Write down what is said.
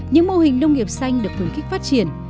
những mô hình nông nghiệp xanh được khuyến khích phát triển